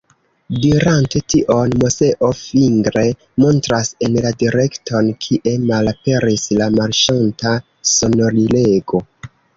Dirante tion, Moseo fingre montras en la direkton, kie malaperis la marŝanta sonorilego.